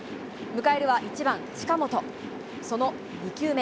迎えるは１番近本。